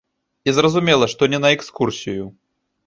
І зразумела, што не на экскурсію.